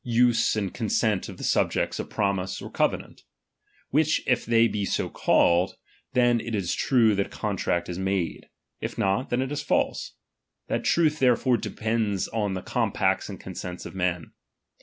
use and consent of the subjects a promise or cove nant ; which if they be so called, then it is true ■ that a contract is made ; if not, then it is false : that truth therefore depends on the compacts and consents of men.